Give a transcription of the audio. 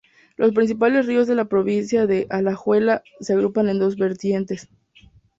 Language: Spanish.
Los principales ríos de la provincia de Alajuela se agrupan en dos vertientes.